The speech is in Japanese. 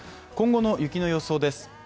今後の雪の予想です。